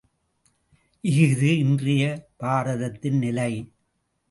இஃது இன்றைய பாரதத்தின் நிலை.